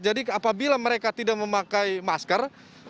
jadi apabila mereka tidak memakai masker